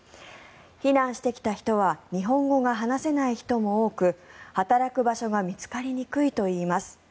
避難してきた人は日本語が話せない人も多く働く場所が見つかりにくいといいます。